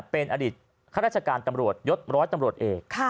เป็นอดีตข้าราชการตำรวจยศร้อยตำรวจเอก